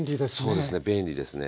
そうですね便利ですね。